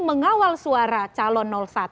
mengawal suara calon satu